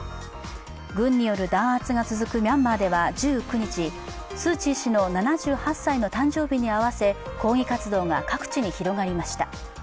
軍による弾圧が続くミャンマーでは１９日、スー・チー氏の７８歳の誕生日に合わせ抗議活動が各地に広がりました。